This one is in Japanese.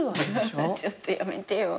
ちょっとやめてよ。